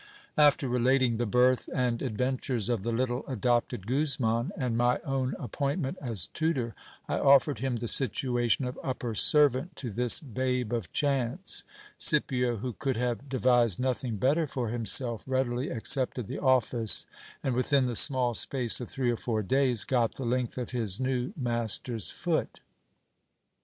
After relating the birth and adventures of the little adopted Guzman, and my own appointment as tutor, I offered him the situation of upper servant to this babe of chance : Scipio, who could have devised nothing better for himself, readily accepted the office, and within the small space of three or four days got the length of his new master's foot.